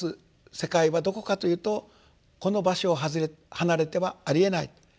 世界はどこかというとこの場所を離れてはありえない。